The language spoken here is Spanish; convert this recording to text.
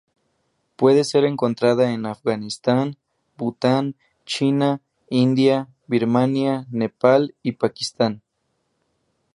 Puede ser encontrada en Afganistán, Bután, China, India, Birmania, Nepal y Pakistán.